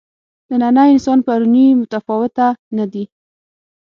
نننی انسان پروني متفاوته نه دي.